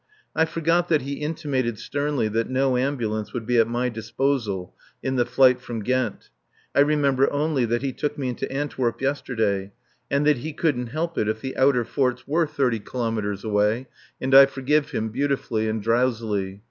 I forgot that he intimated, sternly, that no ambulance would be at my disposal in the flight from Ghent I remember only that he took me into Antwerp yesterday, and that he couldn't help it if the outer forts were thirty kilometres away, and I forgive him, beautifully and drowsily.